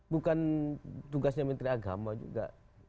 bukan tugasnya menteri agama juga